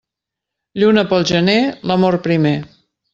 Lluna pel gener, l'amor primer.